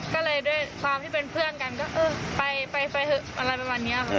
ก็เลยด้วยความที่เป็นเพื่อนกันก็เออไปไปเถอะอะไรประมาณนี้ค่ะ